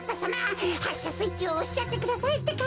はっしゃスイッチをおしちゃってくださいってか。